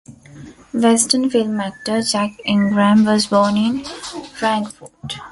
Western film actor Jack Ingram was born in Frankfort.